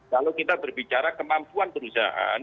kalau kita berbicara kemampuan perusahaan